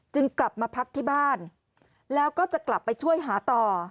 กลับมาพักที่บ้านแล้วก็จะกลับไปช่วยหาต่อ